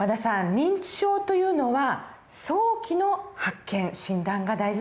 認知症というのは早期の発見診断が大事なんですね。